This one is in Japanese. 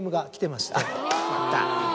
また！